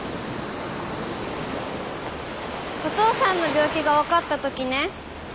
お父さんの病気が分かったときね